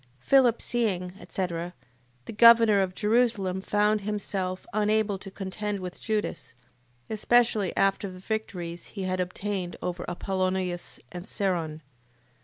Philip seeing, etc... The governor of Jerusalem found himself unable to contend with Judas, especially after the victories he had obtained over Apollonius and Seron.